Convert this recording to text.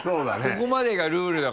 ここまでがルールだから。